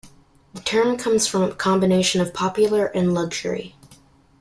The term comes from a combination of popular and luxury.